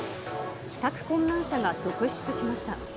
帰宅困難者が続出しました。